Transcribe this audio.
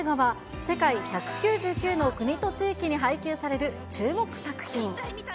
３年ぶりの映画は、世界１９９の国と地域に配給される注目作品。